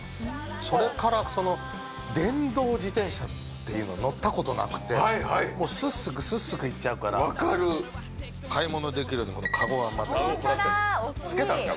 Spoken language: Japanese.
それからその電動自転車っていうの乗ったことなくてもうスッスクスッスクいっちゃうから分かる買い物できるようにこのカゴがまたホントだおっきいつけたんですか